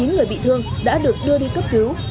một mươi chín người bị thương đã được đưa đi cấp cứu